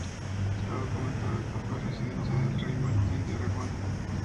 Está documentado que fue residencia del rey Martín I de Aragón.